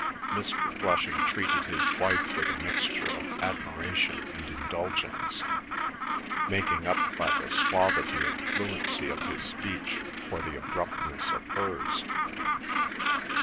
Mr. Flushing treated his wife with a mixture of admiration and indulgence, making up by the suavity and fluency of his speech for the abruptness of hers.